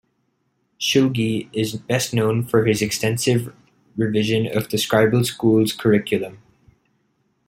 Shulgi is best known for his extensive revision of the scribal school's curriculum.